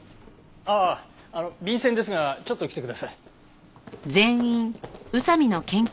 あの便せんですがちょっと来てください。